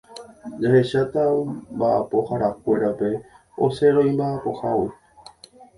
jahecháta mba'apoharakuérape osẽrõ imba'apohágui